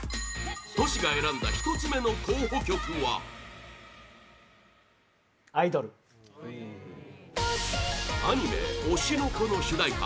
Ｔｏｓｈｌが選んだ１つ目の候補曲はアニメ「推しの子」の主題歌